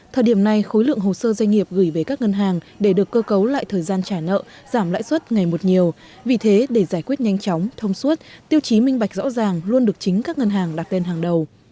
thời điểm này khối lượng hồ sơ doanh nghiệp gửi về các ngân hàng để được cơ cấu lại thời gian trả nợ giảm lãi suất ngày một nhiều vì thế để giải quyết nhanh chóng thông suốt tiêu chí minh bạch rõ ràng luôn được chính các ngân hàng đặt tên hàng đầu